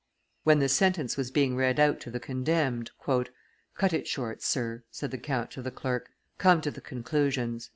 When the sentence was being read out to the condemned, "Cut it short, sir," said the count to the clerk come to the conclusions."